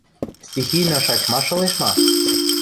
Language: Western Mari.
Стихийно шачмаш ылеш ма?